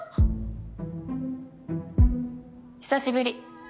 久しぶり。